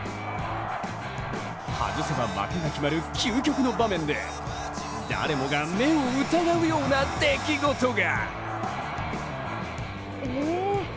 外せば負けが決まる究極の場面で誰もが目を疑うような出来事が！